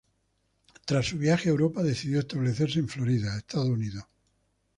Tras su viaje a Europa, decidió establecerse en Florida, Estados Unidos.